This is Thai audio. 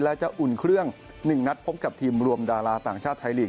และจะอุ่นเครื่อง๑นัดพบกับทีมรวมดาราต่างชาติไทยลีก